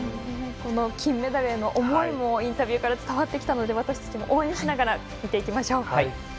金メダルへの思いもインタビューから伝わってきたので私たちも応援しながら見ていきましょう。